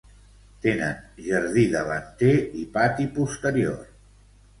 Tenen jardí davanter i pati posterior.